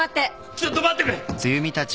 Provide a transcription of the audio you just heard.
ちょっと待ってくれ！